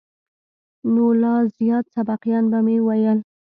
نو لا زيات سبقان به مې ويل.